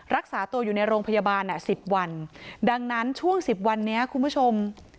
รักษาตัวอยู่ในโรงพยาบาลสิบวันดังนั้นช่วงสิบวันนี้คุณผู้ชม